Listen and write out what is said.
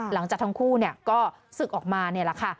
หลังจากทั้งคู่ก็ศึกออกมานี่แหละค่ะ